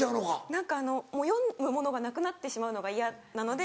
何か読むものがなくなってしまうのが嫌なので。